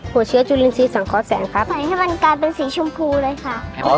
หัวเชื้อจุลินทรีย์สังเคราะห์แสงครับไผ่ให้มันกลายเป็นสีชมพูเลยค่ะ